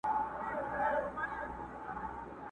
چي شرمېږي له سرونو بګړۍ ورو ورو؛